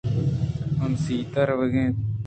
۔ آ مسیت ءَ روَگ ءَ اِنت۔